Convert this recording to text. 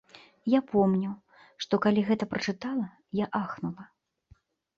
Я помню, што калі гэта прачытала, я ахнула.